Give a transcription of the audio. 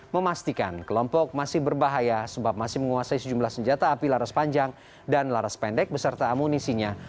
memastikan kelompok masih berbahaya sebab masih menguasai sejumlah senjata api laras panjang dan laras pendek beserta amunisinya